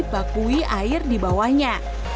bakui air di bawahnya